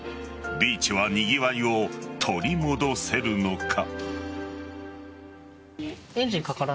ビーチはにぎわいを取り戻せるのか。